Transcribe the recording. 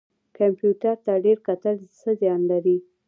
کمپیوټر ته ډیر کتل څه زیان لري؟